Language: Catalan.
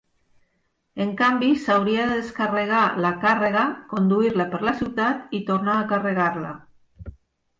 En canvi, s'hauria de descarregar la càrrega, conduir-la per la ciutat i tornar a carregar-la.